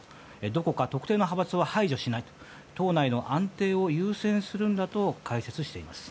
どこか特定の派閥を排除しないと党内の安定を優先するんだと解説しています。